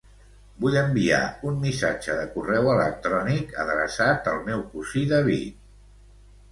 Vull enviar un missatge de correu electrònic adreçat al meu cosí David.